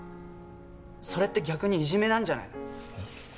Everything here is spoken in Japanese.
それって逆にいじめなんじゃないの？